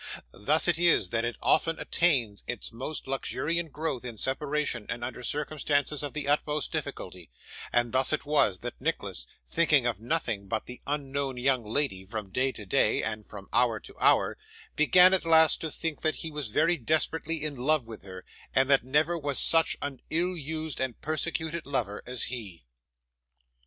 Thus it is, that it often attains its most luxuriant growth in separation and under circumstances of the utmost difficulty; and thus it was, that Nicholas, thinking of nothing but the unknown young lady, from day to day and from hour to hour, began, at last, to think that he was very desperately in love with her, and that never was such an ill used and persecuted lover as he.